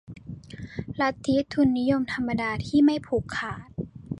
ลัทธิทุนนิยมธรรมดาที่ไม่ผูกขาด